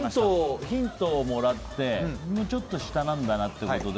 ヒントをもらってもうちょっと下なんだなということで。